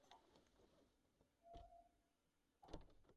Entre sus estudiantes había trece ganadores del Premio Nobel.